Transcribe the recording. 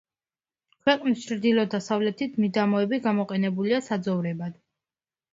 ქვეყნის ჩრდილო დასავლეთით მიდამოები გამოყენებულია საძოვრებად.